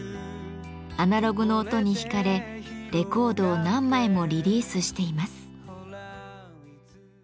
アナログの音に引かれレコードを何枚もリリースしています。